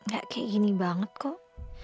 gak kayak gini banget kok